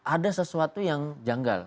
ada sesuatu yang janggal